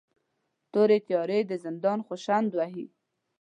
تورې تیارې د زندان شخوند وهي